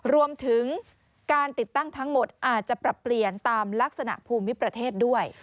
รวมถึงการติดตั้งทั้งหมดอาจจะปรับเปลี่ยนตามลักษณะภูมิประเทศด้วย